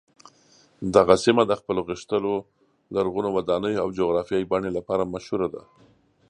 دغه سیمه د خپلو غښتلو لرغونو ودانیو او جغرافیايي بڼې لپاره مشهوره ده.